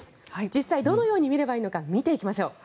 実際にどのように見ればいいのか見ていきましょう。